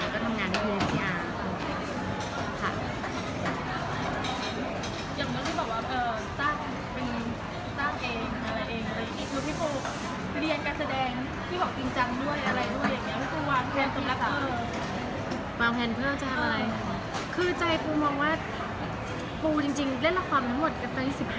จำนวนที่บอกว่าอ่าจ้าเป็นจ้าเองอ่ะเองอีกมึงที่ผู้พยายามการแสดงที่บอกจริงจังด้วยอะไรด้วยอย่างเงี้ย